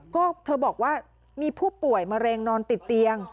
ก็เธอบอกว่ามีผู้ป่วยมะเร็งนอนติดเตียง